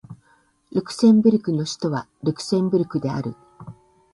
ルクセンブルクの首都はルクセンブルクである